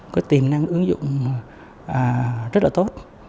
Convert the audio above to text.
có tiềm năng ứng dụng rất là tốt